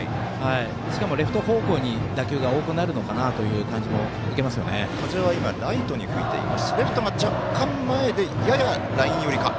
しかも、レフト方向に打球が多くなるのかなという風はライトに吹いています。